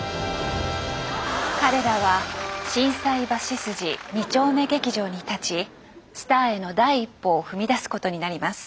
彼らは心斎橋筋２丁目劇場に立ちスターへの第一歩を踏み出すことになります。